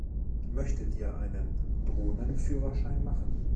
Möchtet ihr einen Drohnenführerschein machen?